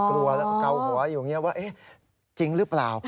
กลัวเข้าหัวอยู่นี่ว่าเอ๊ะจริงหรือเปล่า